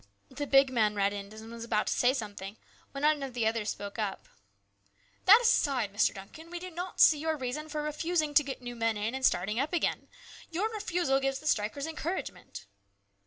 The big man reddened, and was about to say something, when one of the others spoke up : "That aside, "Mr. Duncan, we do not see your reason for refusing to get new men in and starting up again. Your refusal gives the strikers encourage ment."